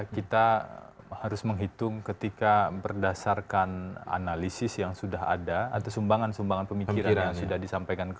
kita harus menghitung ketika berdasarkan analisis yang sudah ada atau sumbangan sumbangan pemikiran yang sudah disampaikan